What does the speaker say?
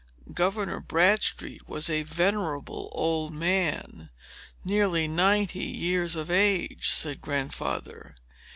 "Governor Bradstreet was a venerable old man, nearly ninety years of age," said Grandfather.